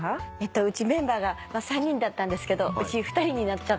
うちメンバーが３人だったんですけど２人になっちゃったので。